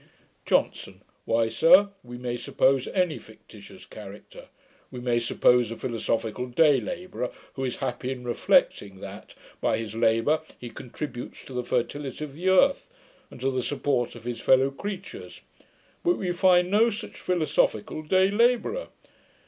JOHNSON. 'Why, sir, we may suppose any fictitious character. We may suppose a philosophical day labourer, who is happy in reflecting that, by his labour, he contributes to the fertility of the earth, and to the support of his fellow creatures; but we find no such philosophical day labourer.